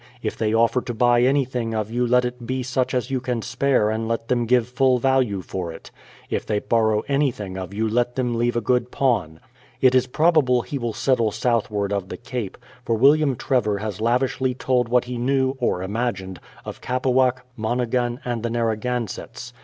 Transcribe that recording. If they offer to buy anything of you let it be such as you can spare and let them give full value for it. If they borrow anything of you let them leave a good pawn. ... It is probable he will settle south ward of the Cape, for William Trevor has lavishly told what he knew (or imagined) of Capawack, Monhegan and the Narragansetts.